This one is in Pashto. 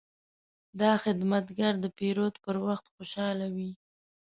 دا خدمتګر د پیرود پر وخت خوشحاله وي.